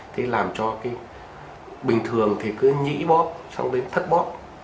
thì làm cho cái bình thường thì cứ nhĩ bóp xong đến thất bóp